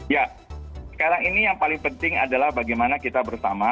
ya sekarang ini yang paling penting adalah bagaimana kita bersama